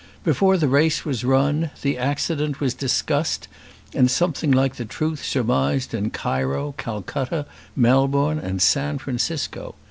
Before the race was run the accident was discussed and something like the truth surmised in Cairo, Calcutta, Melbourne, and San Francisco.